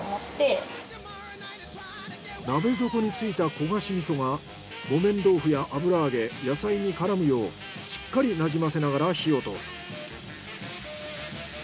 鍋底についた焦がし味噌が木綿豆腐や油揚げ野菜にからむようしっかりなじませながら火を通す。